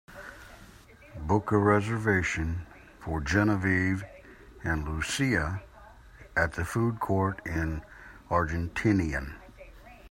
Book a reservation for genevieve and lucia at a food court in argentinian